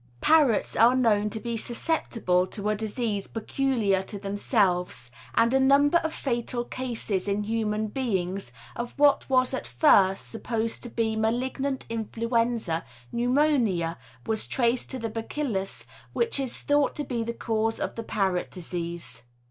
Parrots are known to be susceptible to a disease peculiar to themselves, and a number of fatal cases in human beings of what was at first supposed to be malignant influenza, pneumonia was traced to the bacillus which is thought to be the cause of the parrot disease.